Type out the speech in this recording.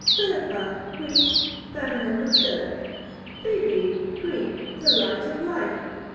Philippa, Greek, feminine of Philip. Phoebe, Greek, the light of life.